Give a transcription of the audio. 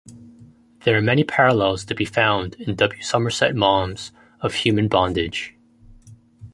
There are many parallels to be found in W. Somerset Maugham's Of Human Bondage.